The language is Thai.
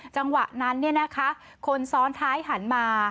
จังหวะนั้นคนซ้อนท้ายหันมา